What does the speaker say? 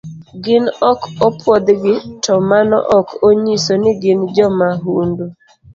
Gin ok opuodhgi to mano ok onyiso ni gin jomahundu.